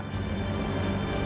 untuk mencapai kemampuan